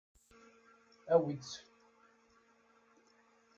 Awit-t.